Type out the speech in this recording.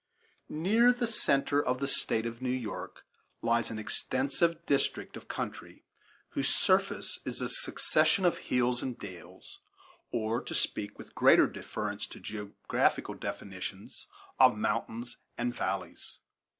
Near the centre of the State of New York lies an extensive district of country whose surface is a succession of hills and dales, or, to speak with greater deference to geographical definitions, of mountains and valleys.